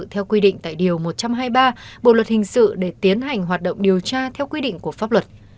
theo quy định tại điều một trăm hai mươi ba bộ luật hình sự để tiến hành hoạt động điều tra theo quy định của pháp luật